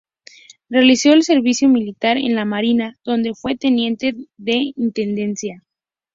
Realizó el servicio militar en la Marina, donde fue teniente de Intendencia.